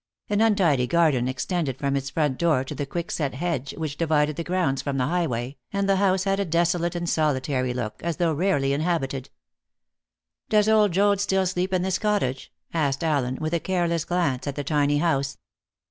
An untidy garden extended from its front door to the quickset hedge which divided the grounds from the highway, and the house had a desolate and solitary look, as though rarely inhabited. "Does old Joad still sleep in his cottage?" asked Allen, with a careless glance at the tiny house.